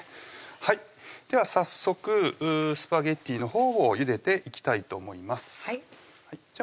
はいでは早速スパゲッティのほうをゆでていきたいと思いますじゃあ